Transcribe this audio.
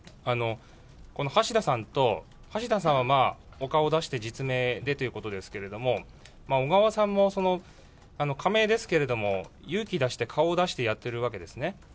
橋田さんと、橋田さんはまあ、お顔を出して実名でということですけれども、小川さんも仮名ですけれども、勇気出して顔を出してやってるわけですね。